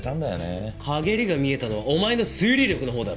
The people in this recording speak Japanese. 陰りが見えたのはお前の推理力のほうだろ。